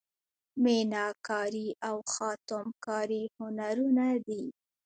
میناکاري او خاتم کاري هنرونه دي.